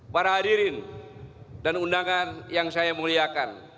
para hadirin dan undangan yang saya muliakan